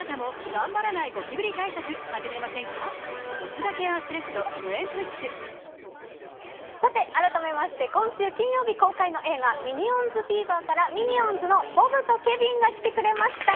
新潟や富山を中心にさて、あらためまして今週金曜日公開の映画ミニオンズフィーバーからミニオンズのボブとケビンが来てくれました。